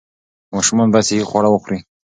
ماشومان باید صحي خواړه وخوري.